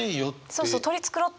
そうそう。